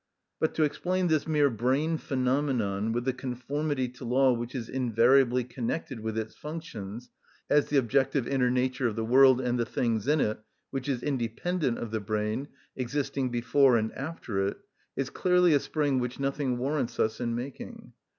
But to explain this mere brain phenomenon, with the conformity to law which is invariably connected with its functions, as the objective inner nature of the world and the things in it, which is independent of the brain, existing before and after it, is clearly a spring which nothing warrants us in making.